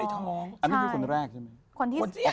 ท้องอันนี้คือคนแรกใช่ไหม